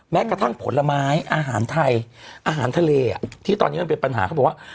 แม้กระทั่งผลไม้อาหารไทยอาหารทะเลที่ตอนนี้มันเป็นปัญหาเขาบอกว่า